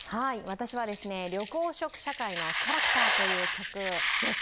私は緑黄色社会の「キャラクター」という曲です。